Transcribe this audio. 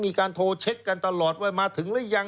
มีการโทรเช็คกันตลอดว่ามาถึงหรือยัง